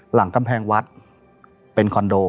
หลังกำแพงวัดเป็นคอนโด